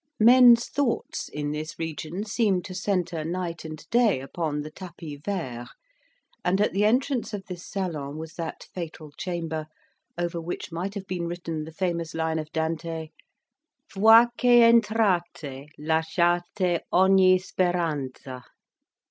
Men's thoughts, in this region, seemed to centre night and day upon the tapis vert, and at the entrance of this salon was that fatal chamber, over which might have been written the famous line of Dante, "Voi che entrate lasciate ogni speranza."